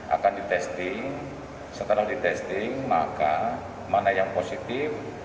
akan di testing setelah di testing maka mana yang positif